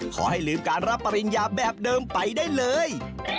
ขอให้ลืมการรับปริญญาแบบเดิมไปได้เลย